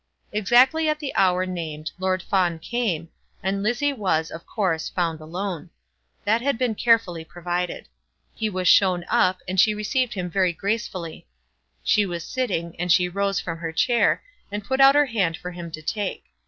Exactly at the hour named Lord Fawn came, and Lizzie was, of course, found alone. That had been carefully provided. He was shown up, and she received him very gracefully. She was sitting, and she rose from her chair, and put out her hand for him to take.